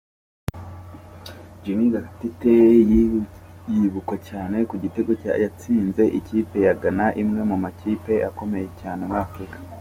Jimmy Gatete yibukwa cyane ku gitego yatsinze ikipe ya Ghana; imwe mu makipe akomeye cyane muri Afrika